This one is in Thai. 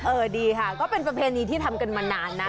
ดีค่ะก็เป็นประเพณีที่ทำกันมานานนะ